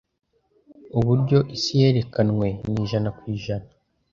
Uburyo isi yerekanwe ni ijana kwi jana